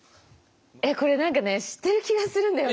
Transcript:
えっこれ何かね知ってる気がするんだよな。